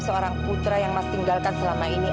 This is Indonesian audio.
seorang putra yang mas tinggalkan selama ini